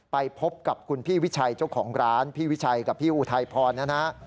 ไปพบกับคุณพี่วิชัยเจ้าของร้านพี่วิชัยกับพี่อุทัยพรนะฮะ